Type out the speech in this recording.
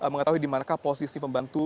mengetahui di manakah posisi pembantu